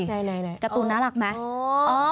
การ์ตูนน่ารักไหม